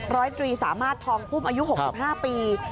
รอยดรีศามาธิที่ทองคลุมอายุ๖๕ปี